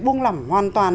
buông lỏng hoàn toàn